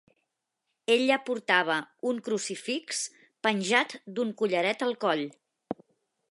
Ella portava un crucifix penjat d'un collaret al coll.